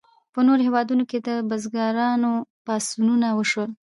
په نورو هیوادونو کې د بزګرانو پاڅونونه وشول.